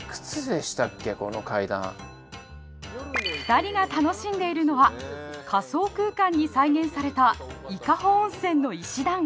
２人が楽しんでいるのは仮想空間に再現された伊香保温泉の石段街。